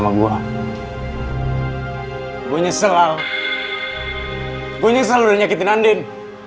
lo udah nyakitin andin